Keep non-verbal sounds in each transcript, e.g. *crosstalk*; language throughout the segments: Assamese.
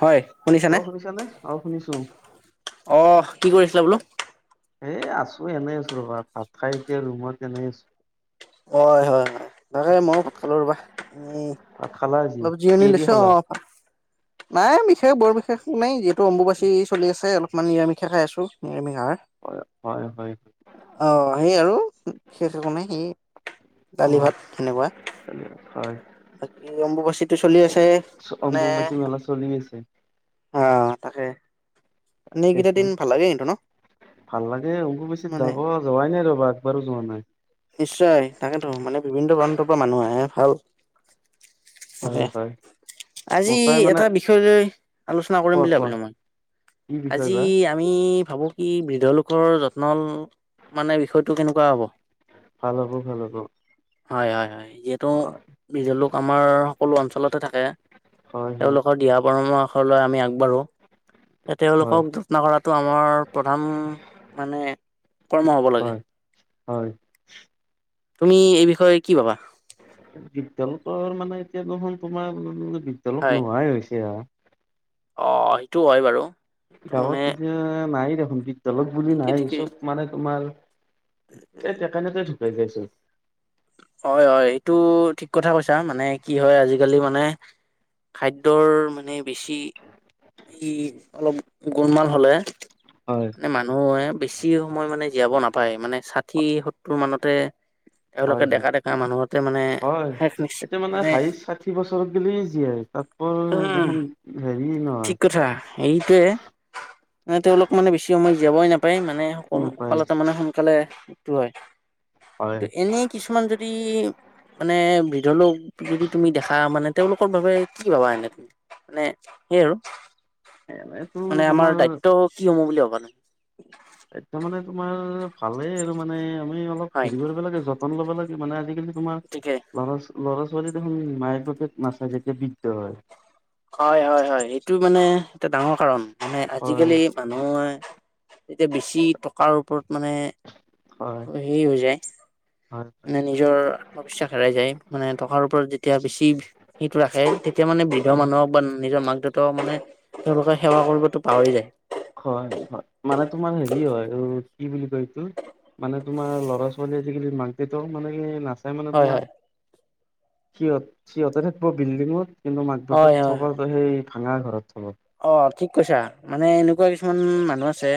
হয় অ শুনিছানে অ শুনিছো অ, কি কৰি? বোলো। এ আছো এনে আছো ৰবা ভাত খাই এতিয়া ৰুমত এনে আছো। হয়, হয়, হয় তাকে মই ভাত খাই লও ৰবা উম। ভাত খালা আজি অলপ জীয়ণি কিহেদি লৈছো খালা? অফা। নাই বিশেষ বৰ বিশেষ নাই, যিহেতু অম্বুবাচী চলি আছে অলপমান নিৰামিষে খাই আছো নিৰামিষ। হয় হয় হয় অ', সেই আৰু বিশেষ ৰকমে সেই। অ দালি ভাত হেনকা হয় বাকী অম্বুবাচীটো চলি আছে মানে। অম্বুবাচী মেলা চলি আছে অ', তাকে এনে এইকেইটা তাকেইতো দিন ভাল লাগে কিন্তু ন। ভাল লাগে অম্বুবাচী মানে যাব যোৱাই নাই ৰবা একবাৰো যোৱা নাই। নিশ্চয় তাকেতো মানে বিভিন্ন প্ৰান্তৰ পৰা মানুহ আহে ভাল। তাকে হয়, হয়। আজি মতাই মানে এটা বিষয় লৈ আলোচনা কৰিম কোৱা বুলি কোৱা ভাবিলো মই। কি বিষয় আজি বা আমি ভাবো কি বৃদ্ধ লোকৰ যত্ন মানে বিষয়টো কেনেকুৱা। কোৱা হ'ব। ভাল হ'ব, ভাল হ'ব। হয়, হয়, হয়। যিহেতু হয় বিজলোক আমাৰ সকলো অঞ্চলতে থাকে হয় হয় তেওঁলোকৰ দিহা পৰমা ঘৰলৈ আমি আগবাঢ়ো। হয় তেওঁলোকক যত্ন কৰাটো আমাৰ প্ৰধান মানে। কৰ্ম হ'ব লাগে। হয় হয়। তুমি এই বিষয়ে কি ভাবা? বিদ্যলতৰ মানে এতিয়া দেখোন তোমাৰ বিদ্যলত হয় তোমাৰ নোহাই হৈছে আ'। অ' সেইটো হয় বাৰু সেইটো মানে গাঁৱত এতিয়া নাই দেখোন বিদয়ালয় বুলি ঠিকেই নাই ঠিকেই চব মানে তোমাৰ এই তেেইকাৰণে তই ঢুকাই গৈছ হয় হয় এইটো ঠিক কথা কৈছা মানে কি হয় আজিকালি মানে খাদ্যৰ মানে বেছি ই অলপ গোণমাল হলে হয়। মানে মানুহে বেছি সময় মানে জীয়াব নাপায় মানে ষাঠি সত্তৰ মানতে। তেওঁলোকে হয় ডেকা হয় ডেকা মানুহতে মানে হয় শেষ নিশ্চয় এতিয়া মানে সাই ষাঠি বছৰতৰত গলেই জীয়াই তাৰপ উম দেোন ঠিক কথা হেৰিটয়ে ম তেওঁলোক মানে বেছি সময় যীয়াবই নাপ তাপায় মানে অকল নাপায় অকালতে মানে সোনকালেটো হয় হয়। কিন্তু এনে কিছুমান যদি মানে বৃধ লোক যদি তুমি দেখা মানে তেওঁলোকৰ বাবে কি কি ভাবা এনে তুমি মানে এৰ এনেতো মানে আমাৰ তোমাৰ দায়িত্ব কি হ বুলি ভবা নাগ এয়া মানে তোমাৰ ভালেই আৰু মানে আমি অলপ হয় হেৰি কৰিব লাগে য ন ল'ব লাগে মানে আজিকালি তোমাৰ গতিকে ল'ৰা দেখুন *inaudible* হয় হয় হয় এইটো মানে এটা ডাঙৰ কাৰণ মানে হয় আজিকালি মানুহে তেতিয়া বেছি টকাৰ ওপৰত মানে হয় হেৰি হৈ যায় হয় হয় মে নিজৰ আত্মবিশ্বাস হেৰাই যায় মানে টকাৰ ওপৰত যেতিয়া বেছি সেইটো ৰাখে এতিয়া মানে বৃদ্ধ হয় মানুহক বা নিজৰ মাক দেউতাক মানে তেওঁলোকে সেৱা কৰিবতো পাহৰি যায় হয় হয় মানে তোমাৰ হেৰি হয় কি বুলি কয়টো মানে তোমাৰ ল'ৰা ছোৱালী আজিকালি মাক দেউত মানে কি নাচ চাই মানে হয় তোমাৰ হয় সিহঁত সিহঁতে থাকিব বিল্ডিঙত কিন্তু মাক বাপেত হয় হয় থবতো সেই ভাঙা ঘৰত থব অ ঠিক কৈছা মানে এনেকুৱা কিছুমান মানুহ আছে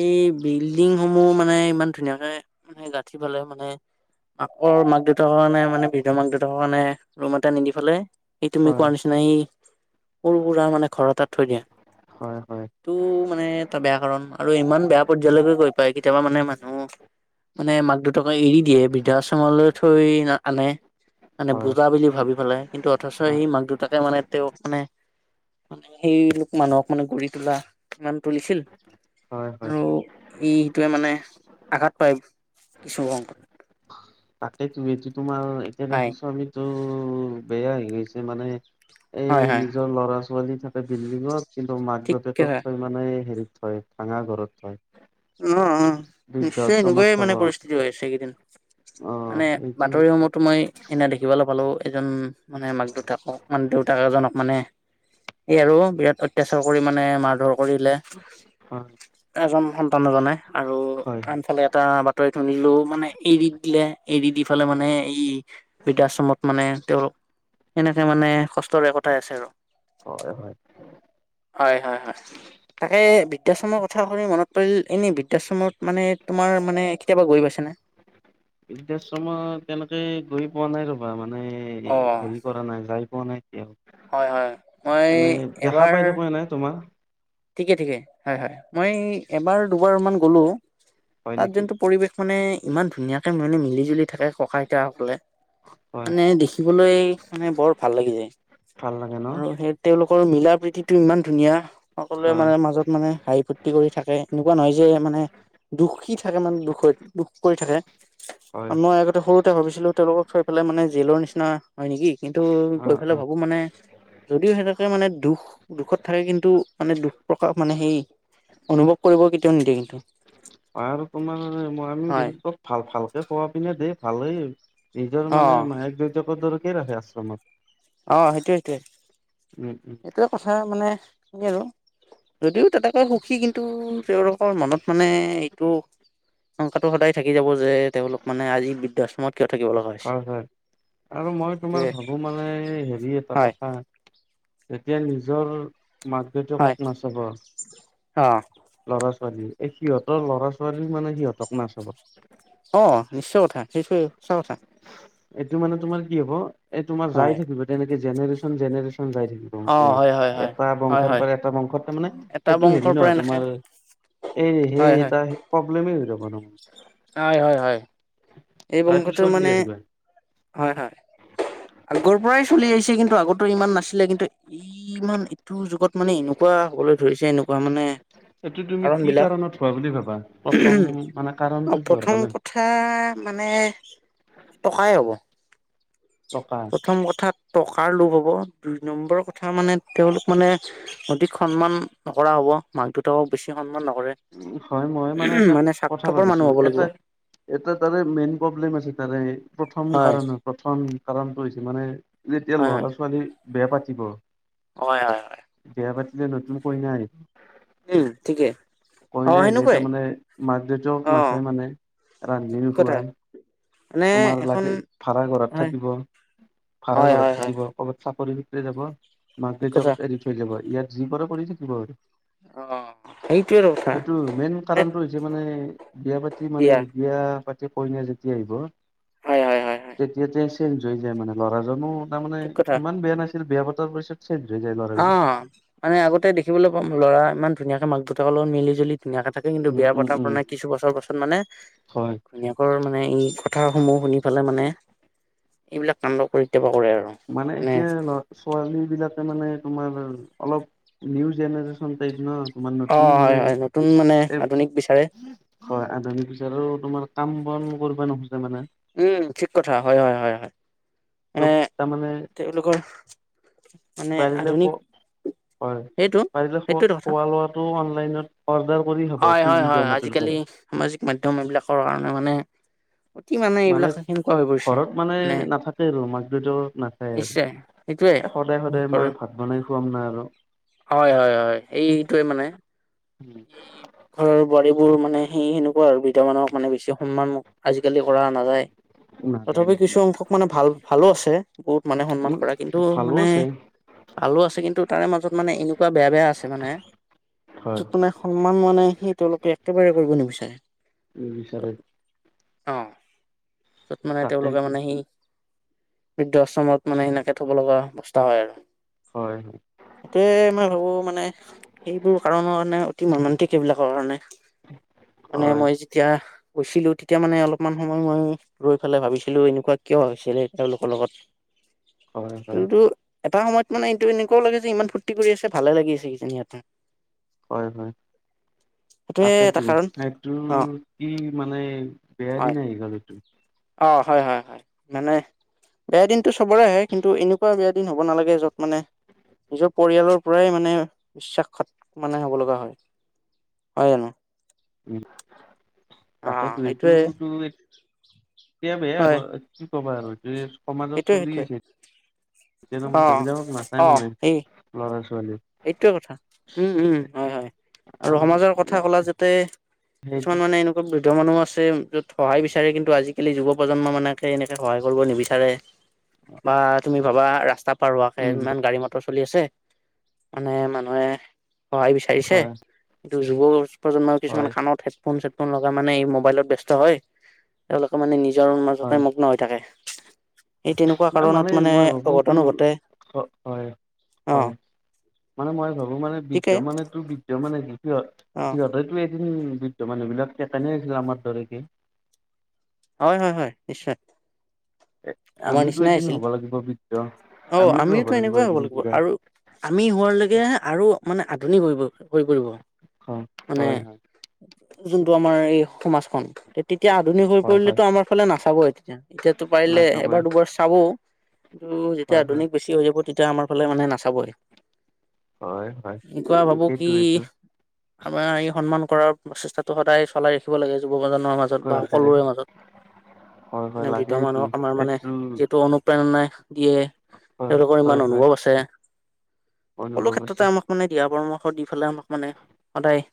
এই বিল্ডিং সমূহ মানে ইমান ধুনীয়াকে মানে গাঁঠি পালে মানে আক মাক দেউতাক কাৰণে মানে বিৰ মাক দেউতাক কাৰণে ৰুম এটা নিদি পালাই সেই তুমি হয় কোৱাৰ নিচিনা সেই সৰু সুৰা। মানে ঘৰ এ তাত থৈ দিয়া হয় হয় তটো মানে এটা বেয়া কাৰণ আৰু ইমান বেয়া পৰ্যয়ায়লৈকে গৈ পায় কেতিয়াবা মানে মানুহ। মানে মাক দেউটাকে এৰি দিয়ে বৃদ্ধাশ্ৰমলৈ থৈ আনে মানে হয় বুজা বুলি ভাবি পেলাই কিন্তু অথচ সেই হয় মাক দুটাকে মানে তেওঁক মানে। মানে সেই লোক মানুহক মানে গু় তোলা ইমান তুলিছিল হয় হয় আৰু হয় ইটোৱে মানে আঘাত পায় কিছু সংকট তাকেই তো এইটো তোমাৰ এতিয়া দেখিছো আমিতো বেয়া হছে মানে হয় এই হয় নিজৰ লৰা ছোৱালী থাকে বিল্ডিঙত কিন্তু মাক ঠিকে দেউতাকক হয় থৈ মানে হেৰি। হঙা ঘৰত থ উ অ নিশ্চয় এনেকাইে থব মানে পৰিস্থিতি হৈ আছেকেইদিন অ মানে সেইটো বাতৰিসমূহতো মই এনে দেখিবলৈ পালো এজন মানে মাক দেউতাকক মানে দেউতাক এজনক মানে। এই আৰু বিৰাট অত্যাচাৰ কৰি মানে মাৰ ধৰক কৰিলে হয় এজন সন্তান এজনে আৰু হয় হয় আনফালে এটা বাতৰি খুনিলোঁ মানে এৰি দিলে এৰি দি পেলাই মানে এই বৃদ্ধাশ্ৰমত মানে তেওঁৰ সেনেকে মানে কষ্টৰে একথাই আছে আৰু হয় হয় হয় হয় হয় তাকে বৃদ্ধাশ্ৰমৰ কথা শুনি মনত পৰিল এনে বৃদ্ধাশ্ৰমত মানে তোমাৰ মানে কেয়াবা গৈ পাইছেনে বৃদ্ধাশ্ৰমত তেনেকে গৈ পোৱা নাই ৰ'বা আমাৰ অ মানে হেৰি কৰা নাই যাই পোৱা নাই হয় হয় মই এনেই দেখা এবাৰ পাই থাকো এ নাই তোমাৰ ঠিকে ঠিকে, হয় হয়। মই এবাৰ দুবাৰান গ'লো হয় তাত নেকি যোনটো পৰিবেশ মানে ইমান ধুনীয়াকে ম মিলি জুলি থাকে ককা আইতাসকলে হয় মানে দেখিবলৈ মানে বৰ ভাল লাগি যায়। ভাল লাগে ন আৰু সেই তেওঁলোক মিলা প্ৰীতিটো ইমান ধুনীয়া সকলোৱে হয় মানে মাজত মানে হাঁহি ফূৰ্তি কৰি থাকে এ নহয় যে মানে দুখিত থাকে মানে দুখ দুখ কৰি থাকে হয় মই আগতে সৰুতে ভাবিছিলো তেওঁলোকক, সফালে মানে জেলৰ নিচিনা হয় নেকি কিন্তু অ গৈ ফালে অ ভাবো মানে, যদিও মানে দুখ দুখত থাকে কিন্তু, মানে দুখ প্ৰকাশ মানে সেই অনুভৱ কৰিব কেতিয়াও নিদিয়ে কিন্তু অ' আৰু তোমাৰ মই আমিও হয় দেখিছো তত ভাল ভালকে খোৱা পিনে দেই ভালেই নিজৰ অ মানে মায়ে দুৰ্যগত ধৰকেই ৰাখে আশ্ৰমত অ' সেইটোৱ সেইটোৱ, উম উম এইটো কথা মানে আৰু যদিও তেনেকৈ সুখী কিন্তু তেওঁলোকৰ মনত মানে এইটো সংংকাটো সদায় থাকি যাব যে তেওঁলোক মানে আজি বৃদ্ধাশ্ৰমত কিয় থাকিব লগা হৈছে। হয় হয় আৰু মই তোমাৰ সেইটোৱে ভাবো মানে হেৰি এটা হয় কথা তেতিয়া নিজৰ মাক হয় দেউতাকক নাচাব অ' লৰা ছোৱাল ছোৱাল সিহঁতৰ ল'ৰা ছোৱালী মানে সিহঁতক নাচাব অ' নিশ্চয় কথা নি্চয় সঁচা কথা এইটো মানে তোমাৰ কি হব এই তোমাৰ যাই হয়। থাকিব তেনেকে জেনেৰেচন জেনেৰেশ্যন াই থাকিব অ' মানে হয় হয় হয় এটা হয় বংশৰ হয় পৰা এটা বংশত তাৰ মানে এটা সেইটো হেৰি বংশৰ পৰা নহয় এনেকে তোমাৰ এই হয় সেই হয় ত প্ৰব্লেমেই হৈ যাব ন' হয় হয় হয়। এই তাইতো বংশটোৰ চলি মানে আহিবা। হয় হয় আগৰ পৰাই চলি আহিছে কিন্তু আগতো ইমান নাছিলে কিন্তু ই ইমান ইটো যুগত মানে এনেকুৱা হবলৈ ধৰিছে এনেকুৱা মানে এইটো তুমি কাৰণ কি বিলাক কাৰণত হোৱা বুলি ভাবা প্ৰথম মানে কাৰণটো কিহৰ প্ৰথম কাৰণে? কথা মানে টকাই হ'ব। টকা প্ৰথম কথাত টকাৰ লোভ হ'ব দুই নম্বৰৰ কথা মানে তেওঁলোক মানে অধিক সন্মান নকৰা হ'ব মাক দুতাকও বেছি সন্মান নহ, উ হয় মই মানে এটা কথা স্বাৰ্থপৰ ভাবিছো মানুহ হ'ব লাগিব এটা এটা তাৰে মেইন প্ৰব্লেম আছে তাৰে প্ৰথম হয় কাৰণ প্ৰথম কাৰণটো হৈছে মানে যেতিয়া হয় ল'ৰা ছোৱালী বেয়া পাতিব, হয় হয় হয়, ন তুম ক ন আহ উম ঠিকে, কইনা আহিলে তাৰমানে মাক দেউতক অ নাচায় মানে ঠিক ৰান্ধিনও কথা খুৱায় মানে তোমাৰ এখন লাগে ভা়ড়া ঘৰত হয় থাকিব ভা়া হয় ঘৰত হয় হয় থাকিব কৰবাত চাকৰি যাব ঠিক মাকটত কথা এৰি থৈ যাব ইয়াত যি কৰে কৰি থাকিব পাৰ অ' সেইটোৱেটো কথা সেইটো মেইন মানে কাৰণতটো হৈছে মানে বিয়া পাতি মানে বিয়া পাতি কইনা যেতিয়া আহিব হয় হয় হয় হয় তেতিয়াতে চেঞ্জ হৈ যায় মানে ল'ৰাজনো ঠিক কথা তাৰমানানে ইমান বেয়া নাছিল বেয়া পতাৰ পিছত চেঞ্জ হৈ যায় ল'ৰাবিলাক অ' মানে আগতে দেখিবলৈ পাম ল'ৰা ইমান ধুনীয়াকে মাক দেউতাকৰ লগত মিলি জুলি ধুনীয়াকে থাকে কিন্তু উম বেয়া উম পতা প্ৰ উম নাই কিছু বছৰ পাছত মানে হয় ধুনীয়াক মানে এই কথাসমূহ শুনি পেলাই মানে এইবিলাক কাণ্ড কৰি মানে এতিয়া লৰা ছোৱালী বিলাক মানে তোমাৰ অলপ নিউ জেনেৰেচন তাইপ ন। তোমাৰ অ নতুন হয় মানে হয় নতুন মানে এই আধুনিক বিচাৰে হয় আধুনিক হিচাপে তোমাৰ কাম কাম কৰিব নুখোজে মানে। উম, ঠিক কথা হয়-হয়-হয়-হয়, চব এ তাৰমানে তেওঁলোকৰ মানে পাৰিলে আধুনিক ক হয় সেইটো পাৰিলে সেইটোৱেটো কথা খোৱা লোৱাটো অনলাইনত অৰ্ডাৰ কৰি হ'ব হয় হয় চুইগি হয় জমাটোৰ আজিকালি পৰা সামাজিক মাধ্যম এইবিলাকৰ কাৰণে মানে অতি মানে এইবিলাক সেনেকুৱা হৈ পৰিছে ঘৰত মানে নাথাকে আৰু মাক দেউত নাচায় আৰু নিশ্চয় সেইটোৱে এ সদায় সদায় ঘৰৰ মই ভাত বনাই খুৱাম নাই আৰু হয় উম, ঘৰৰ বোৱাৰী বোৰ মানে সেই সেনেকুৱা আৰু ভিধ মানুহক মানে বেছি সন্মান আজিকালি কৰা নাযায় নাযায় তথাপিও কিছু নেকি? অংশক মানে ভাল ভালো আছে। বহুত মানে সন্মান উম কৰা কিন্তু ভালো মানে আছে ভালো আছে কিন্তু তাৰে মাজত মানে এনেকুৱা বেয়া-বেয়া আছে। স মানে হয় য'ত মানে সন্মান মানে সি তেওঁলোকে একেবাৰে কৰিব নিবিচাৰে। উ বিছাৰে অ, য'ত মানে তেওঁলোকে তাকেইতো মানে সি বৃদ্ধ আশ্ৰমত মানে সেনেকে থব লগা অৱস্থা হয় আৰু। হয় সেটোয়ে মই ভাবো মানে সেইবোৰ কাৰণৰ মানে মানে টেকেইবিলাকৰ কাৰণে মানে হয় মই যেতিয়া গৈছিলো তেতিয়া মানে অলপমান সময় মই ৰৈ পেলাই ভাবিছিলো এনেকুৱা কিয় হৈছিলে তেওঁলোকৰ লগত। হয়-হয়। কিন্তু এটা সময়ত মানে এইটো এনেকুৱাও লাগে যে ইমান ফূৰ্তি কৰি আছে ভালে লাগি আছে কিজি ইয়াতে হয় হয় এটা তাকেটো কাৰণ সেইটো অ কি মানে বেয়া দিন হয় আহি গেল এইটো। অ, হয়-হয়-হয় মানে বেয়া দিনতটো চবৰে আহে কিন্তু এনেকুৱা বেয়া দিন হ'ব নালাগে যত মানে নিজৰ পৰিয়ালৰ পৰাই মানে বিশ্বাসত মানে হ'ব লগা হয়। হয় জানো উ, অ তাকেটো এইটো সেইটোৱে তো এয়া বেয়া হয় কি ক'বা আৰু সমাজত সেইটোৱে চলি সেইটোৱে আছে। অ *unintelligible* এইটোৱে কথা উম-উম হয়-হয় আৰু সমাজৰ কথা কলা যাতে সেইটো কিছুমান মানে এনেকুৱা য মানুহ আছে য'ত সহায় বিচাৰে কিন্তু আজিকালি যুৱ প্ৰজন্ম মানকে এনেকে সহায় কৰিব নিবিচাৰে। বা তুমি ভাবা ৰাস্তা পাৰোৱাকে ইমান গাড়ী মটৰ চলি আছে মানে মানুহে সহায় বিচাৰিছে হয় কিন্তু যুৱ প্ৰজন্মৰ কিছুমান হয় কামত হেডফোন ছেডফোন লগা মানে এই মোবাইলত ব্যস্ত হয়, তেওঁলোকে মানে নিজ নিজৰ মাজতে মগ্ন হৈ থাকে। এই তেনেকুৱা নাই কাৰণত মানে মই ভাবো সেইটো অঘটনো ঘটে অ হয়-হয়। মানে মই ভাবো মানে বৃদ্ধ ঠিকেই মানে তোৰ বৃদ্ধ মানে কি সিহত অ সিহঁতোয়ে বৃদ্ধ মানুহ বিলাক কেনে আছিল আমাৰ ধৰে কে। হয়-হয়-হয় নিশ্চয়। এ আমাৰ আমিতো নিচিনাই এদিন আছিল হ'ব লাগিব বৃদ্ধ। অ, আমিতো আমিওটো এনেকুৱাই হ'ব এদিন লাগিব বুঢ়া। আৰু আমি হোৱা লৈকে আৰু মানে ধুনী হৈ-হৈ পৰিব হয়, মানে। হয়, হয়, যোনটো আমাৰ এই সমাজখন তেতিয়া আধুনিক হয়, হয়, কৰিলেতো আমাৰ ফালে নাচাব এতিয়া এতিয়াতো না পাৰিলে চবৰে এবাৰ দুবাৰ চাব কিন্তু যেতিয়া হয়, হয়, আধুনিক বেছি হৈ যাব তেতিয়া আমাৰ ফালে মানে নাচাবই। হয়, হয়। কেতিয়া ভাবো কি এইটো এইটো আমাৰ এই সন্মান কৰাৰ প্ৰচেষ্টাটো সদায় চলাই ৰাখিব লাগে যুৱ প্ৰজন্মনৰ মাজত বা ৰাখে সকলোৰে ৰাখে মাজত। হয়, হয়, এনে বিধ লাগে এইটো মানুহক আমাৰ মানে এইটো যিহেটো অনু প্ৰেৰণাই দিয়ে হয়, তেওঁলোকৰ হয়, ইমান হয়, অনুভৱ আছে। সকলো অনুভৱ আছে ক্ষেত্ৰতে আমাক মানে দিয়া পৰামৰ্শ দি পেলাই আমাক মানে সদায়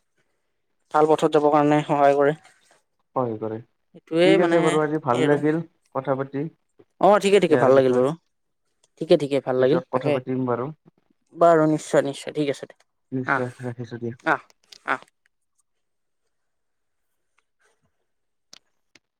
ভাল পথত যাবৰ কাৰণে সহায় কৰে। হয় কৰে। এইটোয়ে ঠিক মানে আছে বাৰু আজি ভাল এই আৰু লাগিল কথা পাতি অ ঠিকে ঠিকে ভাল ইয়াৰ লাগিল বিষয়ে। বাৰু ঠিকে ঠিকে ভাল লাগিল পিছত কথা তাকে। পাতিম বাৰু বাৰু নিশ্চয়-নিশ্চয় ঠিক আছে দে আহ, নিশ্চয় ৰাখিছো দিয়া। আহ, আহ,